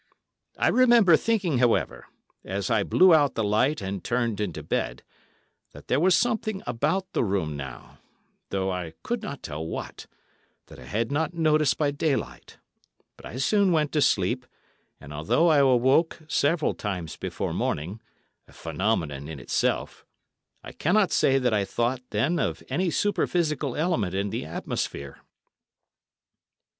I remember thinking, however, as I blew out the light and turned into bed, that there was something about the room now—though I could not tell what—that I had not noticed by daylight; but I soon went to sleep, and although I awoke several times before morning—a phenomenon in itself—I cannot say that I thought then of any superphysical element in the atmosphere.